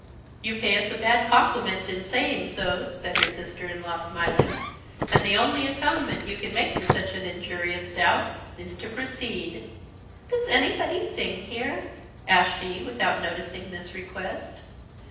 "You pay us a bad compliment in saying so," said her sister in law, smiling; "and the only atonement you can make for such an injurious doubt is to proceed." "Does anybody sing here?" asked she, without noticing this request.